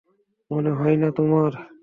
মনে হয় না তোমার?